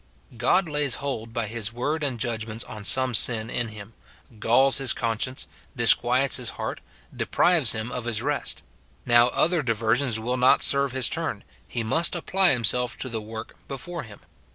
God lays hold by his word and ju<lgments on some sin in him, galls his conscience, dis quiets his heart, deprives him of his rest ; now other di versions will not serve his turn ; he must apply himself to the work before him.